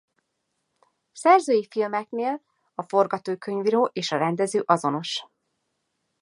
Szerzői filmeknél a forgatókönyvíró és a rendező azonos.